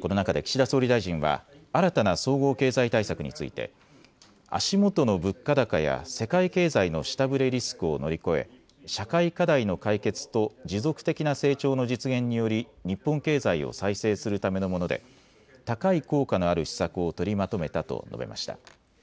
この中で岸田総理大臣は新たな総合経済対策について足元の物価高や世界経済の下振れリスクを乗り越え社会課題の解決と持続的な成長の実現により日本経済を再生するためのもので高い効果のある施策を取りまとめたと述べました。